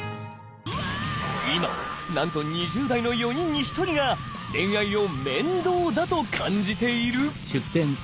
今なんと２０代の４人に１人が恋愛をめんどうだと感じている。